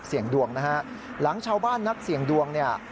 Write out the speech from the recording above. เสี่ยงดวงนะฮะหลังชาวบ้านนักเสี่ยงดวงเนี่ย